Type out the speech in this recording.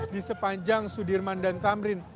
di sepanjang sudirman dan tamrin